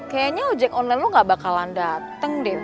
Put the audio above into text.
kayanya ojek online lo gak bakalan dateng deh